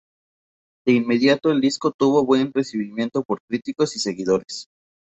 De inmediato el disco tuvo buen recibimiento por críticos y seguidores.